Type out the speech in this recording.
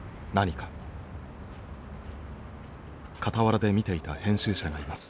傍らで見ていた編集者がいます。